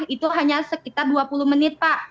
itu hanya sekitar dua puluh menit pak